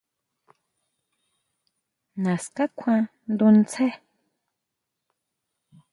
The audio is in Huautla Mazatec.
¿Naská kjuan ndutsje?